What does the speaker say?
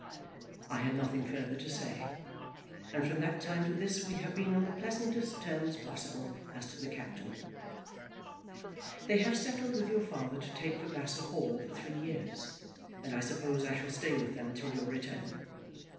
I had nothing further to say; and from that time to this we have been on the pleasantest terms possible as to the Captain. They have settled with your father to take Vavasor Hall for three years, and I suppose I shall stay with them till your return.